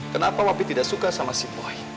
kenapa papi tidak suka sama si poi